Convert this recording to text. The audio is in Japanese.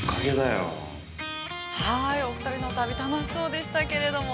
◆お二人の旅、楽しそうでしたけれども。